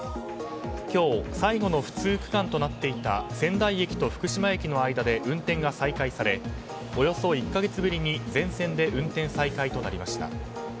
今日最後の不通区間となっていた仙台駅と福島駅の間で運転が再開されおよそ１か月ぶりに全線で運転再開となりました。